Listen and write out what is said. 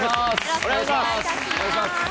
お願いします。